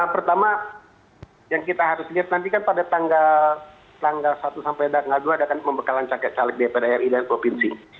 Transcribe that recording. pertama yang kita harus lihat nanti kan pada tanggal satu sampai tanggal dua ada kan pembekalan caket caleg dpr ri dan provinsi